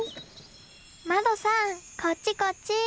まどさんこっちこっち！